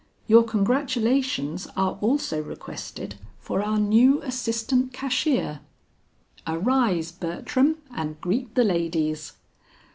"Your congratulations are also requested for our new assistant cashier. Arise, Bertram, and greet the ladies."